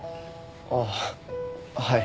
ああはい。